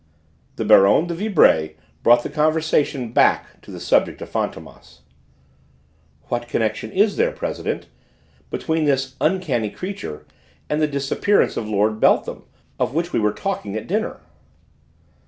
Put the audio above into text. The Baronne de Vibray brought the conversation back to the subject of Fantômas. "What connection is there, President, between this uncanny creature and the disappearance of Lord Beltham, of which we were talking at dinner?"